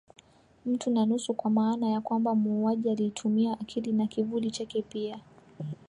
Mtu na nusu kwa maana ya kwamba muuaji alitumia akili na kivuli chake pia